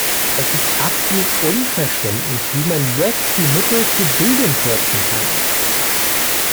Es ist absolut unverständlich, wie man jetzt die Mittel für Bildung kürzen kann!